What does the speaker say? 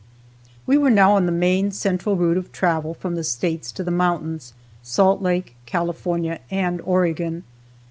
We were now on the main central route of travel from the States to the mountains, Salt Lake, California and Oregon.